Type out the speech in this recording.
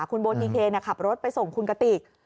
คุณโบทีเคขับรถไปส่งคุณกติก